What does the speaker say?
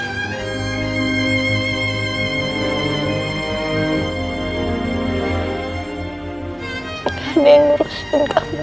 gak ada yang ngurusin kamu